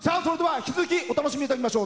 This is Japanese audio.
引き続きお楽しみいただきましょう。